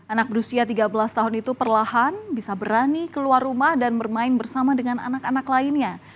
anak berusia tiga belas tahun itu perlahan bisa berani keluar rumah dan bermain bersama dengan anak anak lainnya